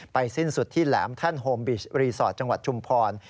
สิ้นสุดที่แหลมแท่นโฮมบิชรีสอร์ทจังหวัดชุมพร